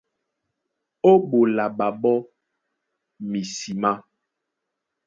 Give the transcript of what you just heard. Ó ɓola ɓaɓó misimá.